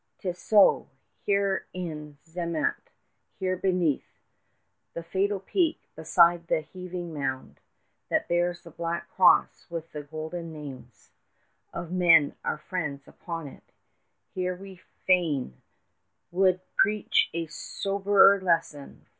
'Tis so: yet here in Zermatt here beneath The fatal peak, beside the heaving mound That bears the black cross with the golden names 45 Of men, our friends, upon it here we fain Would preach a soberer lesson.